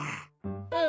うん。